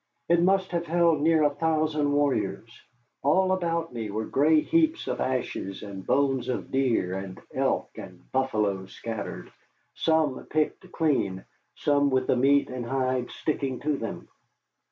It must have held near a thousand warriors. All about me were gray heaps of ashes, and bones of deer and elk and buffalo scattered, some picked clean, some with the meat and hide sticking to them.